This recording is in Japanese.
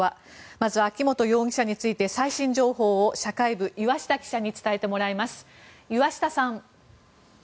まず、秋本容疑者について最新情報を社会部、岩下記者に伝えてもらいます。